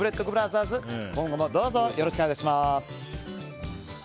今後もどうぞよろしくお願いいたします。